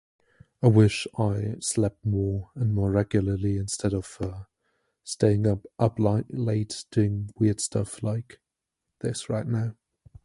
I wish I slept more and more regularly instead of, uh, staying up up li- late doing weird stuff like this right now.